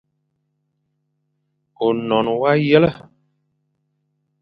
Ônon wa yel,,